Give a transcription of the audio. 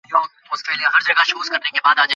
মৃত্যুর সময়ও সে তার ছেলের পাশে দাঁড়িয়েছিল।